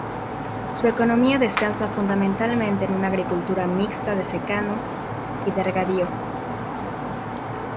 Su economía descansa fundamentalmente en una agricultura mixta de secano y regadío.